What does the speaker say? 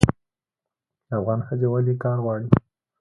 افغان ښځې ولې کار غواړي؟